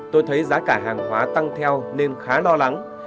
tôi thấy giá cả hàng hóa tăng theo nên khá lo lắng